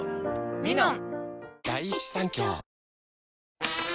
「ミノン」